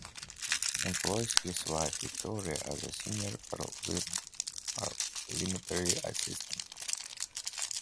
He employs his wife Victoria as senior parliamentary assistant.